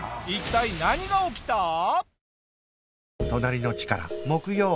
一体何が起きた？